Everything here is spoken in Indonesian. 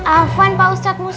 afuan pak ustadz musa